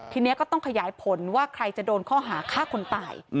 ทีนี้ก็ต้องขยายผลว่าใครจะโดนข้อหาฆ่าคนตาย